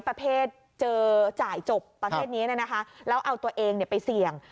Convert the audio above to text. ประเภทเจอจ่ายจบประเภทนี้เนี่ยนะคะแล้วเอาตัวเองไปเสี่ยง